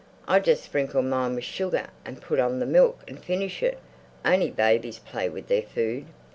"I just sprinkle mine with sugar and put on the milk and finish it. Only babies play with their food."